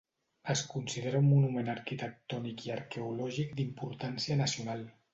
Es considera un monument arquitectònic i arqueològic d'importància nacional.